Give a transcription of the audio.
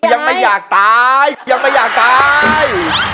ยังไม่อยากตายยังไม่อยากตาย